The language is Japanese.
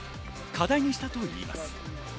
課題にしたといいます。